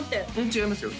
違いますよ